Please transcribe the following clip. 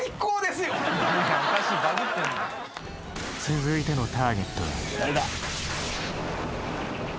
続いてのターゲットは。